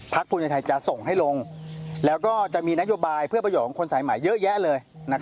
ภูมิใจไทยจะส่งให้ลงแล้วก็จะมีนโยบายเพื่อประโยชน์ของคนสายใหม่เยอะแยะเลย